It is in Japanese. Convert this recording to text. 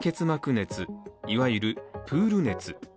熱、いわゆるプール熱。